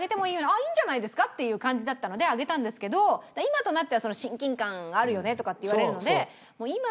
「あっいいんじゃないですか？」っていう感じだったので上げたんですけど今となっては「親近感あるよね」とかって言われるので。